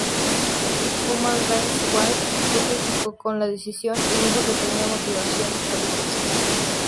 Human Rights Watch fue crítico con la decisión y dijo que tenía motivaciones políticas.